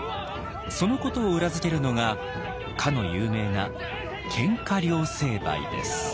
そのことを裏付けるのがかの有名な「喧嘩両成敗」です。